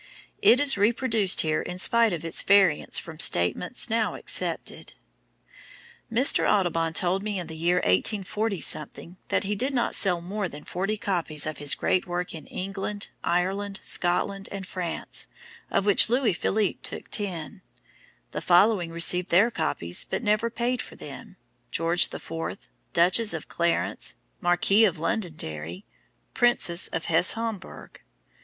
It is reproduced here in spite of its variance from statements now accepted: "Mr. Audubon told me in the year 184 that he did not sell more than 40 copies of his great work in England, Ireland, Scotland and France, of which Louis Philippe took 10. "The following received their copies but never paid for them: George IV., Duchess of Clarence, Marquis of Londonderry, Princess of Hesse Homburg.